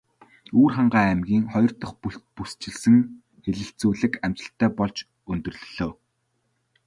Өвөрхангай аймгийн хоёр дахь бүсчилсэн хэлэлцүүлэг амжилттай болж өндөрлөлөө.